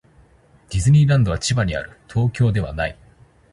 ディズニーランドは千葉にある。東京ではない。